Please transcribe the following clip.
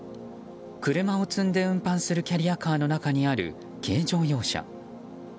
車を積んで運搬するキャリアカーの中にある軽乗用車。